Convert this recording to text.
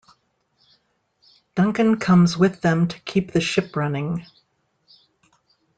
Duncan comes with them to keep the ship running.